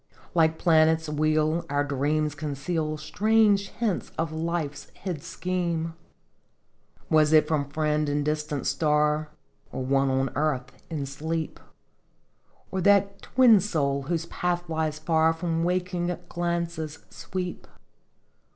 Like planet's wheel our dreams conceal Strange hints of Life's hid scheme. " Was it from friend in distant star? Or one on earth, in sleep? Or that twin soul whose path lies far From waking glances sweep?'